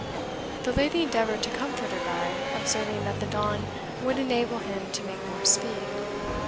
The lady endeavoured to comfort her guide, observing that the dawn would enable him to make more speed.